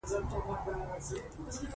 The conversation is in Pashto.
هېواد د باران څاڅکی دی.